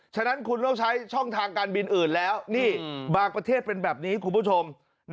ฉะนั้นคุณต้องใช้ช่องทางการบินอื่นแล้วนี่บางประเทศเป็นแบบนี้คุณผู้ชม